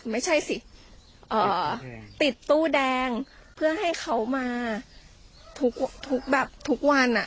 ไม่ใช่สิติดตู้แดงเพื่อให้เขามาทุกแบบทุกวัน